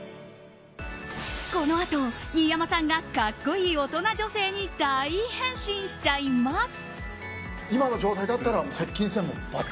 このあと、新山さんが格好いい大人女性に大変身しちゃいます！